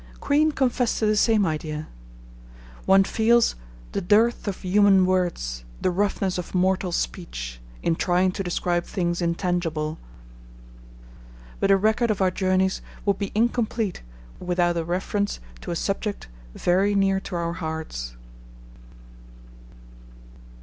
Crean confessed to the same idea. One feels "the dearth of human words, the roughness of mortal speech" in trying to describe things intangible, but a record of our journeys would be incomplete without a reference to a subject very near to our hearts.